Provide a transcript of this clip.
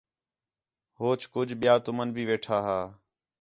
ہوچ کُج ٻِیا تُمن بھی ویٹھا ہا